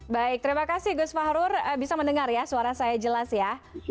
baik terima kasih gus fahrur bisa mendengar ya suara saya jelas ya